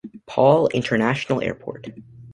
Paul International Airport.